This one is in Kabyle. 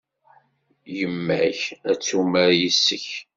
Yemma-k ad tumar yes-k.